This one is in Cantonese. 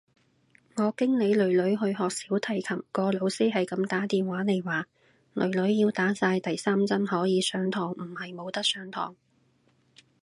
我經理囡囡去學小提琴，個老師係咁打電話嚟話，囡囡要打晒第三針可以上堂，唔係冇得上堂。